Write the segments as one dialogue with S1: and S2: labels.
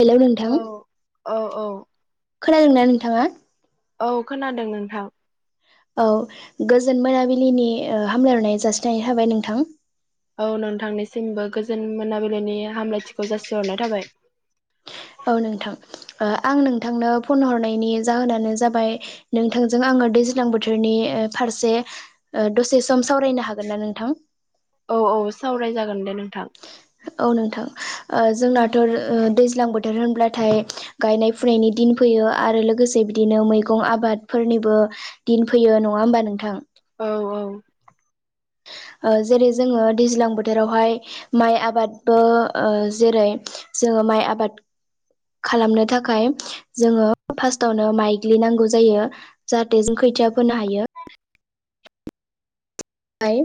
S1: Hello नोंथां
S2: औ औ औ
S1: खोनादों ना नोंथाङा?
S2: औ खोनादों नोंथां
S1: औ गोजोन मोनाबिलिनि ओ हामलाय हरनाय जासिनाय जाबाय नोंथां
S2: औ नोंथांनिसिमबो गोजोन मोनाबिलिनि हामलायथिखौ जासिहरनाय थाबाय।
S1: औ नोंथां ओ आं नोंथांनो फन हरनायनि जाहोनानो जाबाय नोंथांजों आङो दैज्लां बोथोरनि फारसे ओ दसे सम सावरायनो हागोन ना नोंथां?
S2: औ औ सावराय जागोन दे नोंथां।
S1: औ नोंथां ओ जोंनाथ' दैज्लां बोथोर होनब्लाथाय गायनाय फुनायनि दिन फैयो आरो लोगोसे बिदिनो मैगं आबादफोरनिबो दिन फैयो नङा होमबा नोंथां?
S2: औ औ
S1: ओ जेरै जोङो दैज्लां बोथोरावहाय माइ आबादबो ओ जेरै जोङो माइ आबाद खालामनो थाखाय जोङो फार्स्टआवनो माइग्लिनांगौ जायो जाहाथे जों खोथिया फोनो हायो ओमफाय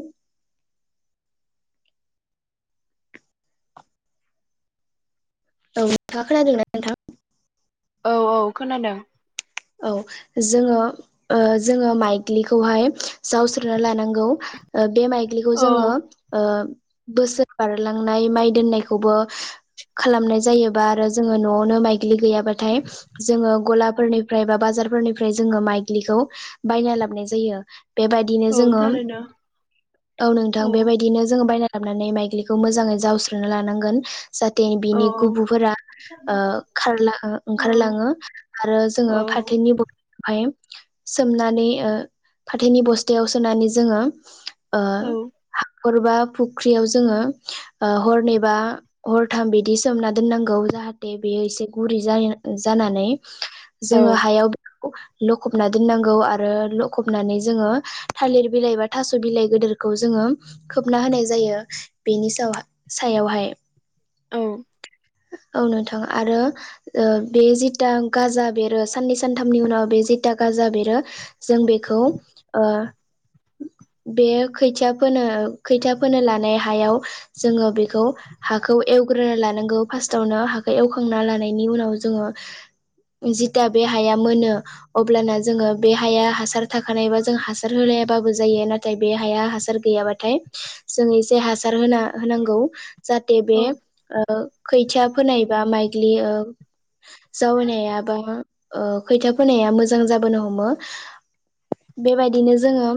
S1: औ नोंथाङा खोनादों ना?
S2: औ औ खोनादों।
S1: औ जोङो ओ जोङो माइग्लिखौहाय जावस्रोना लानांगौ ओ बे माइग्लिखौ जोङो
S2: औ
S1: ओ बोसोर बारलांनाय माइ दोननायखौबो खालामनाय जायोबा आरो जोङो न'आवनो माइग्लि गैयाबाथाय जोङो गलाफोरनि फ्राय बा बाजारफोरनिफ्राय जोङो माइग्लिखौ बायना लाबोनाय जायो। बेबायदिनो
S2: औ
S1: जोङो
S2: थारैनो
S1: औ नोंथां बेबाय दिनो जोङो बायना लाबोनानै माइग्लिखौ मोजाङै जावस्रोना लानांगोन जाहाथे
S2: औ
S1: बिनि गुबुफोरा ओ खारला ओंखारलाङो आरो जोङो [unintelligible] सोमनानै फाथोनि बस्थायाव सोनानै जोङो ओ
S2: औ
S1: हाखरबा फुख्रियाव जोङो ओ हरनै बा हरथाम बिदि सोमना दोननांगौ जाहाथे बेयो एसे गुरै जा-जानानै
S2: औ
S1: जोङो हायाव बेखौ लखबना दोननांगौ आरो लखबनानै जोङो थालिर बिलाइ बा थास' बिलाइ गोदोरखौ जोङो खोबना होनाय जायो बेनि साव-सायावहाय
S2: औ
S1: औ नोंथां आरो ओ बे जिथा गाजा बे रो साननै सानथामनि उनाव बे जिता गाजा बेरो जों बेखौ ओ बे खैथिया फोनो खैथिया फोनो लानाय हायाव जोङो बेखौ हाखौ एवग्रोना लानांगौ फार्स्टआवनो हाखौ एवखांना लानायनि उनाव जोङो जिथा बे हाया मोनो अब्लाना जोङो बे हाया हासार थाखानायबा जों हासार होलायाबाबो जायो नाथाय बे हाया हासार गैयाबा थाय जों एसे हासार होना होनांगौ। जाहाथे
S2: औ
S1: बे ओ खैथिया फोनायबा माइग्लि ओ जावैनाया बा ओ खैथा फोनाया मोजां जाबोनो हमो बेबायदिनो जोङो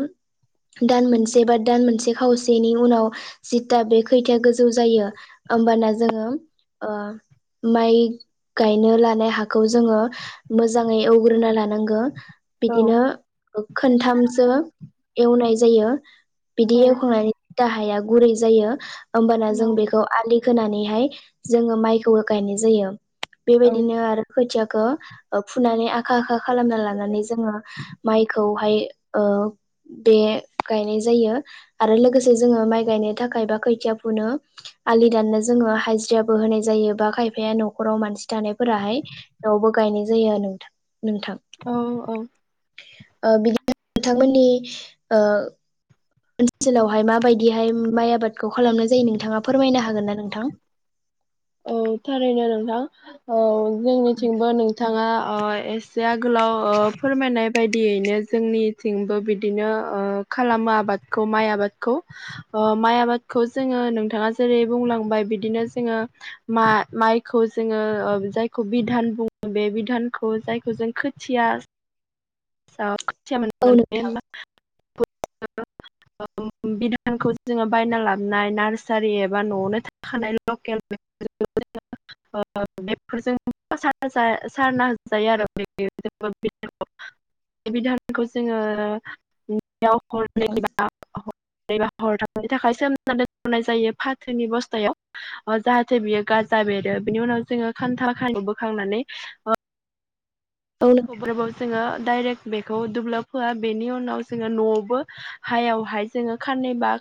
S1: दान मोनसे बा दान मोनसे खावसेनि उनाव जिथा बे खैथाया गोजौ जायो होमबाना जोङो ओ माइ गायनो लानाय हाखौ जोङो मोजाङै एवग्रोना लानांगो। बिदिनो खोनथामसो एवनाय जायो। बिदि एवखांनायनि दाहाया गुरै जायो होमबाना जों बेखौ आलि खोनानैहाय जोङो माइखौबो गायनाय जायो। बेबायदिनो आरो खोथियाखौ ओ फुनानै आखा आखा खालामना लानानै जोङो माइखौहाय ओ बे गायनाय जायो आरो लोगोसे जोङो माइ गायनो थाखाय बा खोथिया फुनो आलि दाननो जोङो हाजिराबो होनाय जायो बा खायफाया न'खराव मानसि थानायफोराहाय न'आवबो गायनाय जायो नोथां नोंथां
S2: औ औ
S1: बिदि नोंथांमोननि ओ ओनसोलावहाय माबायदिहाय माइ आबादखौ खालामनाय जायो नोंथाङा फोरमायनो हागोन ना नोंथां?
S2: औ थारैनो नोंथां औ जोंनिथिंबो नोंथाङा ओ एस से आगोलाव ओ फोरमायनाय बेबायदियैनो जोंनिथिंबो बिदिनो ओ खालामो आबादखौ माइ आबादखौ। ओ माइ आबादखौ जोङो नोंथाङा जेरै बुंलांबाय बिदिनो जोङो मा- माइखौ जोङो जायखौ बिधान बुङो बे बिधानखौ जायखौ जों खोथिया ओ
S1: औ
S2: [unintelligible]
S1: [inaudible]
S2: ओ बिधानखौ जोङो बायना लाबोनाय नार्सारि एबा न'आवनो थाखानाय [unintelligible] [inaudible] बेफोरजों सारना हो जायो आरो [inaudible] बिधानखौ जोङो [unintelligible]
S1: [inaudible]
S2: [unintelligible] थाखाय सोमनानै दनाय जायो फाथोनि बस्थायाव। ओ जाहाथे बियो गाजा बेरो बिनि उनाव जोङो खान्था [unintelligible] बोखांनानै ओ
S1: औ नों
S2: [unintelligible] जोङो डाइरेक्ट बेखौ दुब्लिआव फोआ बेनि उनाव जोङो न'आवबो हायाव हाय जोङो खाननै बा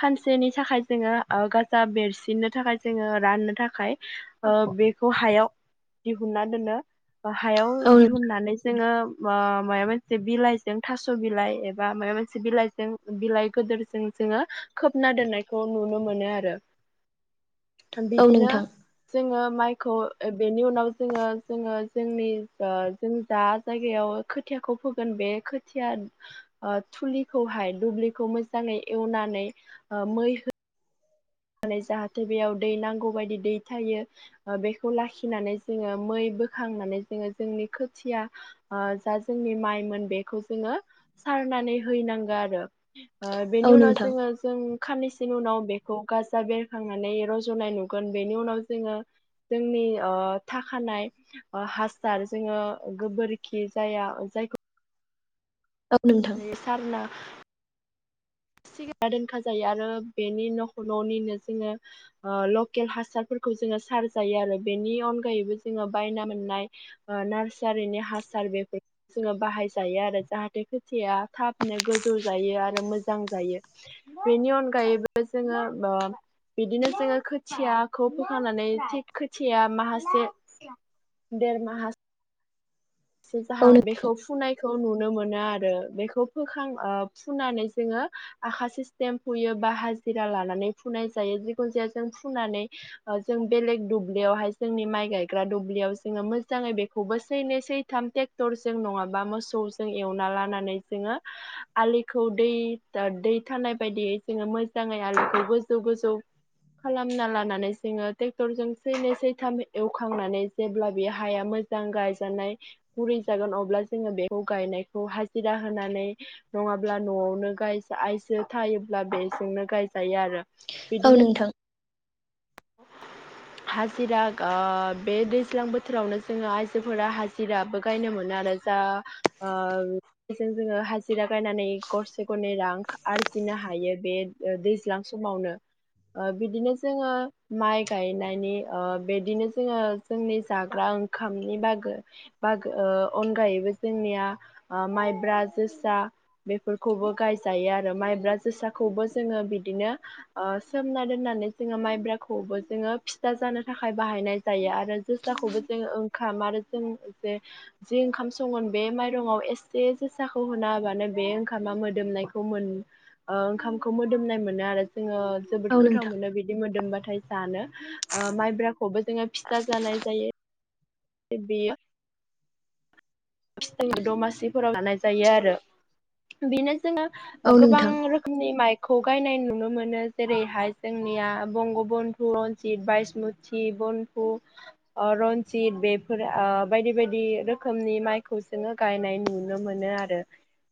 S2: खानसेनि थाखाय जोङो ओ गाजा बेेरसिननो थाखाय जोङो राननो थाखाय ओ बेखौ हायाव दिहुना दोनो बेखौ हायाव
S1: औ नों
S2: दिहुननानै जोङो ओ मायाबा मोनसे बिलाइजों थास' बिलाइ एबा मायाबा मोनसे बिलाइजों बिलाइ गोदोरजों जोङो खोबना दोननायखौ नुनो मोनो आरो।
S1: [inaudible] औ
S2: बिदिनो
S1: नोंथां
S2: जोङो माइखौ ओ बेनि उनाव जोङो जोङो जोंनि ओ जों जा जायगायाव खोथियाखौ फोगोन बे खोथिया ओ थुलिखौहाय दुब्लिखौ मोजाङै एवनानै ओ मै होनानै जाहाथे बेयाव दै नांगौ बायदि दै थायो। बेखौ लाखिनानै जोंङो मै बोखांनानै जोंङो जोंनि खोथिया ओ जा जोंनि माइमोन बेखौ जोंङो सारनानै हैनांगौ आरो। ओ
S1: औ
S2: बेनि उनाव
S1: नोंथां
S2: जोंङो जों साननैसोनि उनाव बेखौ गाजा बेरखांनानै रज'नाय नुगोन बेनि उनाव जोंङो जोंनि ओ थाखानाय ओ हासार जोंङो गोबोरखि जाया जायखौ
S1: औ नोंथां
S2: सारना सिग दोनखा जायो आरो बेनि न' न'निनो जोंङो ओ लकेल हासारफोरखौ जोंङो सारजायो आरो बेनि अनगायैबो जोंङो बायना मोन्नाय ओ नार्सारिनि हासार बेफोर जोंङो बाहायजायो आरो जाहाथे खोथियाया थाबनो गोजौ जायो आरो मोजां जायो। बेनि अनगायैबो जोंङो ओ बिदिनो जोंङो खोथियाखौ फोखांनानै थिग खोथिया माखासे देर माहास सो जाहां
S1: नों
S2: बेखौ फुनाय खौ नुनो मोनो आरो बेखौ फोखां ओ फुनानै जोंङो आखासे सेम्फुयो बा हाजिरा लानानै फुनाय जायो जिखुन जाया जों फुनानै जों बेलेग दुब्लियावहाय जोंनि माइ गायग्रा दुब्लियाव जोंङो मोजाङै बेखौबो सैनो सै थाम ट्रेक्टरजों नङाबा मोसौजों एवना लानानै जोंङो आलिखौ दै दै थानाय बायदियै जोंङो मोजाङै आलिखौ गोजौ गोजौ खालामना लानानै जोंङो ट्रेक्टरजों सैनै सैथाम एवखांनानै जेब्ला बे हाया मो मोजां गायजानाय गुरै जागोन अब्ला जोंङो बेखौ गायनायखौ हाजिरा होनानै नङाब्ला न'आवनो गाइस आइजो थायोब्ला बेजोंनो गायजायो आरो।
S1: औ
S2: बिदिनो
S1: नोंथां। [inaudible]
S2: हाजिरा ओ बे दैज्लां बोथोरावनो जोंङो आइजोफोरा हाजिराबो गायनो मोनो आरो। दा ओ बेजों जोंङो हाजिरा गायनानै गरसे गरनै रां आरजिनो हायो बे ओ दैज्लां समावनो ओ बिदिनो जोंङो माइ गायनायनि ओ बिदिनो जोंङो जोंनि जाग्रा ओंखामनि बागै बाग ओ अनगायैबो जोंनिया माइब्रा जोसा बेफोरखौबो गायजायो आरो माइब्रा जोसाखौबो जोंङो बिदिनो ओ सोमना दोननानै जोंङो माइब्रा खौबो जोंङो फिथा जानो थाखाय बाहायनाय जायो आरो जोसाखौबो जोंङो ओंखाम आरो जों जे जि ओंखाम संगोन बे माइरंआव एसे जोसाखौ होना होबानो बे ओंखामा मोदोमनायखौ मोन ओ ओंखामखौ मोदोमनाय मोनो आरो जोंङो जोबोद
S1: औ
S2: गोथाव
S1: नोंथां
S2: मोनो बिदि मोदोमबाथाय जानो ओ माइब्राखौबो जोंङो फिथा जानाय जायो। बे बियो फिथा दमासिफोराव जानाय जायो आरो बेनो जोंङो
S1: औ
S2: ओ गोबां
S1: नोंथां
S2: रो खोमनि माइखौ गायनाय नुनो मोनो जेरैहाय जोंनिया बंगबन्धु, रनजित, बायसमु थि बन्धु ओ रनजित बेफोर ओ बायदि बायदि रोखोमनि माइ खौ जोंङो गायनाय नुनो मोनो आरो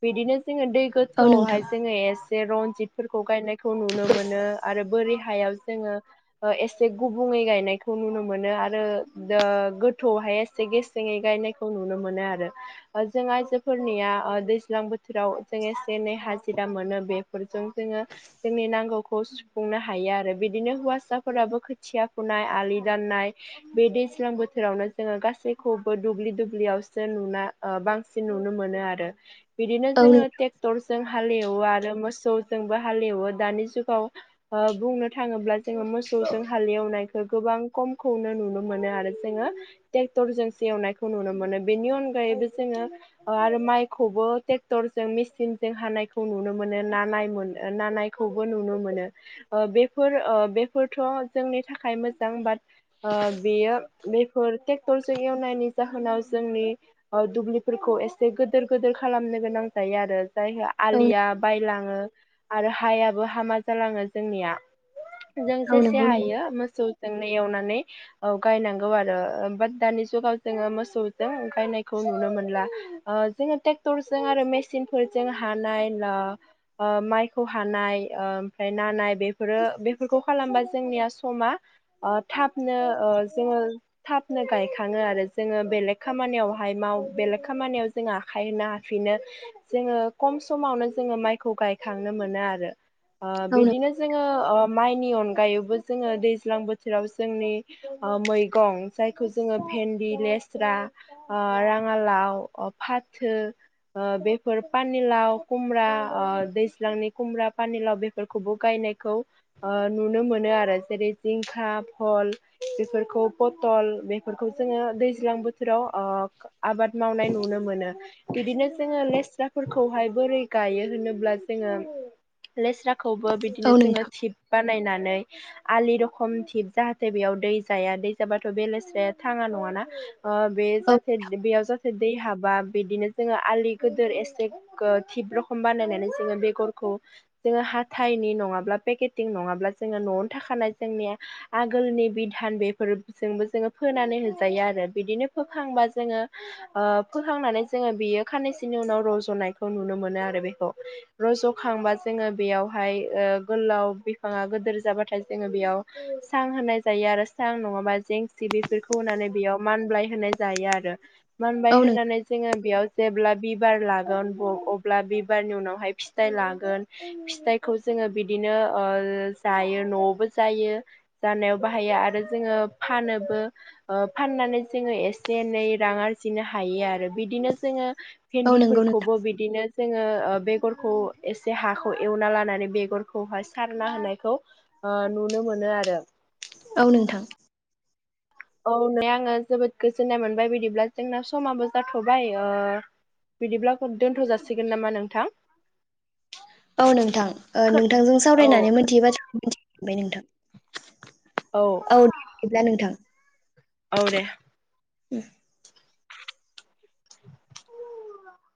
S2: बिदिनो जोंङो दै
S1: औ नोंथां
S2: गोथौआवहाय जोंङो एसे बे रनजितफोरखौ गायनायखौ नुनो मोनो आरो बोरि हायाव जोंङो एसे गुबुंङै गायनायखौ नुनो मोनो आरो दा गोथौआवहाय एसे गेसेङै गायनायखौ नुनो मोनो आरो। ओ जों आइजोफोरनिया ओ दैज्लां बोथोराव जों एसे एनै हाजिरा मोनो बे फोरजों जोंङो जोंनि नांगौखौ सुफुंनो हायो आरो बिदिनो हौवासाफोराबो खोथिया फुनाय आलि दाननाय बे दैज्लां बोथोरावनो जोंङो गासैखौबो दुब्लि दुब्लियावसो नुना ओ बांसिन नुनो मोनो आरो बिदिनो
S1: औ
S2: जोंङो
S1: नोंथां
S2: ट्रेक्टरजों हालेवो आरो मोसौजोंबो हालेवो दानि जुगाव ओ बुंनो थाङोब्ला जोंङो मोसौजों हालेवनायखौ गोबां खमखौनो नुनो मोनो आरो जोंङो ट्रेक्टरजोंसो एवनायखौ नुनो मोनो बेनि अनगायैबो जोंङो ओ आरो माइखौबो ट्रेक्टर जों मेसिनजों हानायखौ नुनो मोनो ना नायमोन ना नाय खौबो नुनो मोनो ओ बेफोर ओ बेफोरथ' जोंनि थाखाय मोजां बाट ओ बेयो बेफोर ट्रेक्टरजों एवनायनि जाहोना जोंनि ओ दुब्लिफोरखौ एसे से गोदोर गोदोर खालामनो गोनां जायो आरो जायहा
S1: औ
S2: आलिया बायलाङो आरो हायाबो हामा जालाङो जोंनिया जों
S1: औ
S2: जेसे
S1: नंगौ नोंथां
S2: हायो मोसौ जोंनो एवनानै ओ गायनांगौ आरो बाट दानि जुगाव जोंङो मोसौजों गायनाय खौ नुनो मोनला ओ जोङो ट्रेक्टरजों आरो मेसिनफोरजों हानाय ला ओ माइखौ हानाय ओ ओमफ्राय नानाय बेफोरो बेफोरखौ खालामबा जोंनिया समा ओ थाबनो ओ जोंङो थाबनो गायखाङो आरो जोंङो बेलेग खामानियाव हाय माव बेलेग खामानियाव जोंङो आखाइ होनो हाफिनो जोंङो खम समावनो जोंङो माइखौ गायखांनो मोनो आरो ओ
S1: औ
S2: बिदिनो जोंङो ओ माइनि अनगायैबो जोंङो दैज्लां बोथोराव जोंनि ओ मैगं जायखौ जोङो फेन्दि लेस्रा ओ राङालाव ओ फाथो ओ बेफोर पानिलाव खुमब्रा ओ दैज्लांनि खुमब्रा पानिलाव बे फोरखौबो गायनायखौ ओ नुनो मोनो आरो जेरै जिंखा भहल बेफोरखौ फथल बेफोरखौ जोंङो दैज्लां बोथोराव अ आबाद मावनाय नुनो मोनो। बिदिनो जोंङो लेस्राफोरखौहाय बोरै गायो होनोब्ला जोंङो लेस्रा खौबो
S1: औ
S2: बिदिनो जोंङो
S1: नोंथां
S2: सिप बानायनानै आलि रखम थिब जाहाथे बेयाव दै जाया दै जाबाथ' बेलस्राया थाङा नङाना ओ बे
S1: औ
S2: जाहाथे बेयाव जाहाथे दै हाबा बिदिनो जोंङो आलि गिदोर एसे थिब रखम बानायनानै जोंङो बेगरखौ जोंङो हाथायनि नङाब्ला पेकेटिं नङाब्ला जोंङो न'आवनो थाखानाय जोंनिया आगोलनि बिधान बेफोरजोंबो जोंङो फोनानै होजायो आरो बिदिनो फोखांबा जोंङो ओ फोखांनानै जोंङो बियो साननैसोनि उनाव रज'नायखौ नुनो मोनो आरो बेखौ। रज'खांबा जोंङो बेयावहाय ओ गोलाव बिफाङा गिदोर जाबाथाय जोंङो बेयाव सां होनाय जायो आरो सां नङाबा जेंसि बेफोरखौ होनानै बेयाव मानब्लाय होनाय जायो आरो
S1: औ
S2: मानबाय
S1: नोंथां
S2: होननानै जोंङो बेयाव जेब्ला बिबार लागोन अब्ला बिबारनि उनावहाय फिथाइ लागोन फिथाइ खौ जोंङो बिदिनो जायो न'आवबो जायो। जानायाव बाहायो आरो जोंङो फानोबो ओ फाननानै जोंङो एसे एसे एनै रां आरजिनो हायो आरो बिदिनो जोंङो
S1: औ नंगौ नोंथां
S2: भेन्दिफोरखौबो बिदिनो जोंङो ओ बेगरखौ एसे हाखौ एवना लानानै बेगरखौहाय सारना होनायखौ ओ नुनो मोनो आरो
S1: औ नोंथां।
S2: औ नै आंङो जोबोद गोजोननाय मोनबाय बिदिब्ला जोंना समाबो जाथ'बाय ओ बिदिब्ला दोन्थ' जासिगोन नामा नोंथां?
S1: औ नोंथां ओ नोंथांजों
S2: औ
S1: सावरायनानै मोनथियि बाथ्रा बे नोंथां
S2: औ
S1: औ दे बिदिब्ला नोंथां।
S2: औ दे। [inaudible]